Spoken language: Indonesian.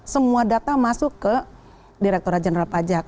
semua data masuk ke direkturat jenderal pajak